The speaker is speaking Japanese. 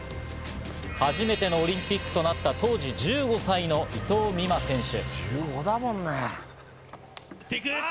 初めてのオリンピックとなった当時１５歳の伊藤美誠選手。